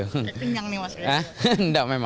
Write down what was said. kayak tinjang nih mas